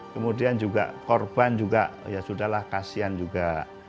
kemudian juga korban juga ya sudah lah kasihan juga